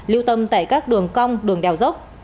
lưu tâm tại các đường cong đường đèo dốc